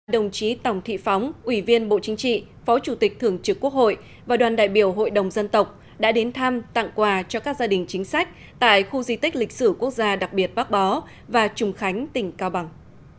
đồng chí tòng thị phóng ủy viên bộ chính trị phó chủ tịch thường trực quốc hội và đoàn đại biểu hội đồng dân tộc đã đến thăm tặng quà cho các gia đình chính sách tại khu di tích lịch sử quốc gia đặc biệt bác bó và trùng khánh tỉnh cao bằng